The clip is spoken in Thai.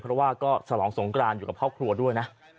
เพราะว่าก็ฉลองสงกรานอยู่กับครอบครัวด้วยนะ